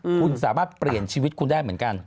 คุณสามารถเปลี่ยนชีวิตคุณได้เหมือนกัน